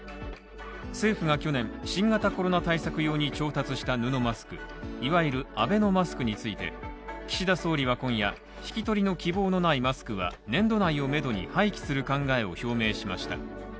政府が去年、新型コロナ対策用に調達した布マスク、いわゆるアベノマスクについて、岸田総理は今夜、引き取りの希望のないマスクは年度内を目処に廃棄する考えを表明しました。